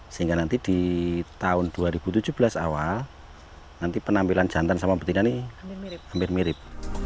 sehingga nanti di tahun dua ribu tujuh belas awal nanti penampilan jantan sama betina ini hampir mirip